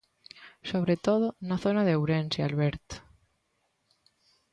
Sobre todo, na zona de Ourense, Alberto...